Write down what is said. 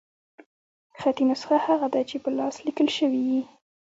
خطي نسخه هغه ده، چي په لاس ليکل سوې يي.